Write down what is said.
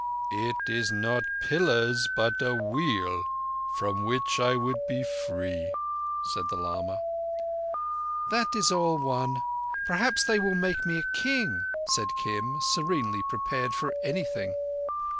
"It is not pillars but a Wheel from which I would be free," said the lama. "That is all one. Perhaps they will make me a king," said Kim, serenely prepared for anything.